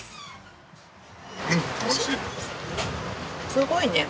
すごいね。